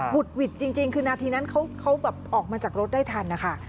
ุดหวิดจริงคือนาทีนั้นเขาแบบออกมาจากรถได้ทันนะคะ